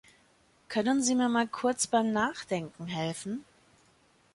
Können Sie mir mal kurz beim Nachdenken helfen?